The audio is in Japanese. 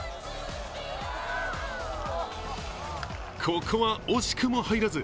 ここは惜しくも入らず。